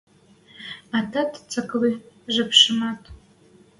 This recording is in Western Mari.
Атат цаклы жепшӹмӓт.